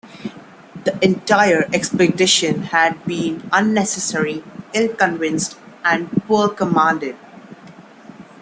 The entire expedition had been unnecessary, ill-conceived and poorly commanded.